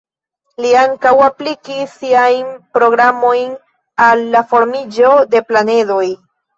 Li ankaŭ aplikis siajn programojn al la formiĝo de planedoj.